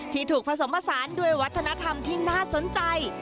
ถูกผสมผสานด้วยวัฒนธรรมที่น่าสนใจ